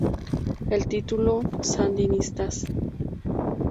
El título "Sandinista!